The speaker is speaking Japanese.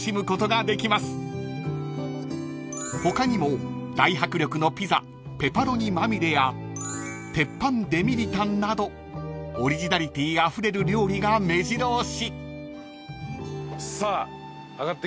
［他にも大迫力のピザペパロニまみれや鉄板デミリタンなどオリジナリティーあふれる料理がめじろ押し］さあ上がってきましたよ